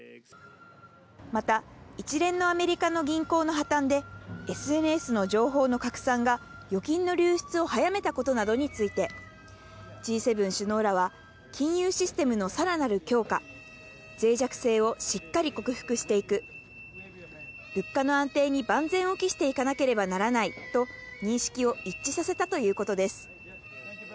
また一連のアメリカの銀行の破綻で、ＳＮＳの情報の拡散が預金の流出を早めたことなどについて、Ｇ７首脳らは、金融システムのさらなる強化、ぜい弱性をしっかり克服していく、物価の安定に万全を期していかなければならないと、認識を一致させたということです。